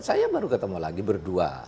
saya baru ketemu lagi berdua